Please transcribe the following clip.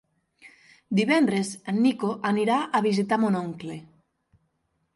Divendres en Nico anirà a visitar mon oncle.